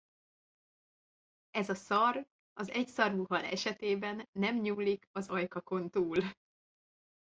Ez a szar az egyszarvú hal esetében nem nyúlik az ajkakon túl.